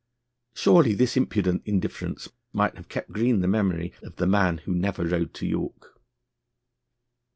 Surely this impudent indifference might have kept green the memory of the man who never rode to York!